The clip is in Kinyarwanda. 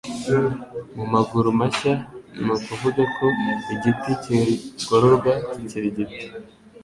mu maguru mashya ni ukuvuga ko «Igiti kigororwa kikiri gito»